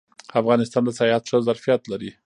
افغانستان د سیاحت ښه ظرفیت لري